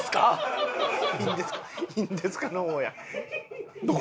「いいんですか？」の方や。